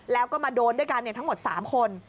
แล้วก็มาโดนด้วยกันทั้งหมด๓คน